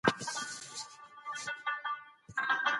درملنه په احتیاط سره باید وشي.